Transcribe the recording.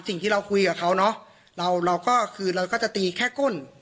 สิ่งที่เราคุยกับเขาเนอะเราเราก็คือเราก็จะตีแค่ก้น